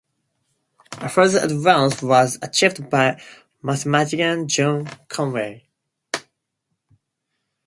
A further advance was achieved by mathematician John Conway.